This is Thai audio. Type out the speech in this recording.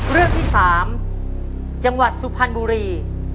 เรื่องที่๓จังหวัดสุพรรณบุรี